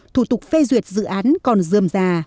thủ tục phê duyệt dự án còn dườm già